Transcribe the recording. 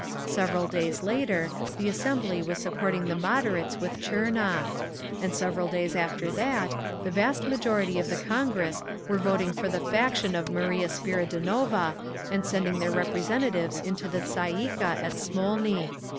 Several days later the assembly was supporting the moderates with Tchernov. And several days after that the vast majority of the Congress were voting for the faction of Maria Spiridonova, and sending their representatives into the Tsay ee kah at Smolny….